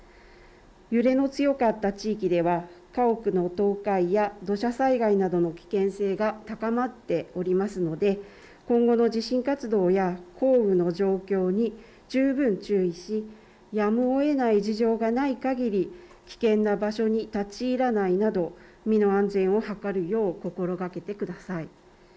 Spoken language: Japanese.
揺れの強かった地域では家屋の倒壊や土砂災害などの危険性が高まっておりますので今後の地震活動や降雨の状況に十分注意しやむをえない事情がないかぎり危険な場所に立ち入らないなど身の安全を図るよう心がけてください。